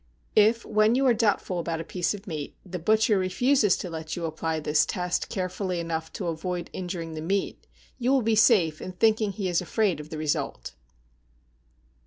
If, when you are doubtful about a piece of meat, the butcher refuses to let you apply this test carefully enough to avoid injuring the meat, you will be safe in thinking he is afraid of the result.